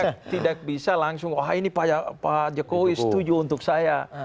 ya tidak bisa langsung wah ini pak jokowi setuju untuk saya